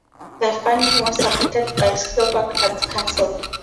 The funding was supported by Slovak Arts Council.